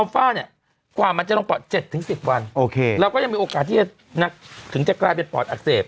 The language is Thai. ฝ้าเนี่ยกว่ามันจะลงปอด๗๑๐วันเราก็ยังมีโอกาสที่จะถึงจะกลายเป็นปอดอักเสบ